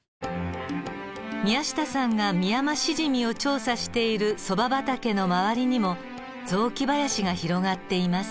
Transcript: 宮下さんがミヤマシジミを調査しているそば畑の周りにも雑木林が広がっています。